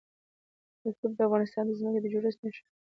رسوب د افغانستان د ځمکې د جوړښت نښه ده.